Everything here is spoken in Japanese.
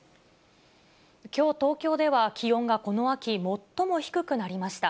きょう、東京では気温がこの秋最も低くなりました。